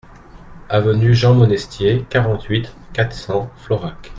Avenue Jean Monestier, quarante-huit, quatre cents Florac